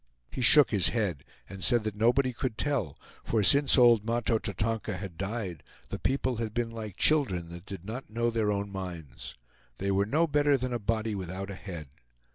He shook his head, and said that nobody could tell, for since old Mahto Tatonka had died, the people had been like children that did not know their own minds. They were no better than a body without a head.